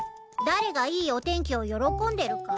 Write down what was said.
誰がいいお天気を喜んでるか？